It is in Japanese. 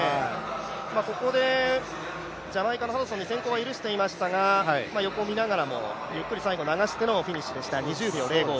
ここでジャマイカのハドソンに先行を許していましたが、横を見ながらもゆっくり最後流してのフィニッシュでした、２０秒０５。